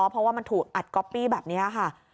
เพราะว่ามันถูกอัดก๊อปปี้แบบนี้ค่ะ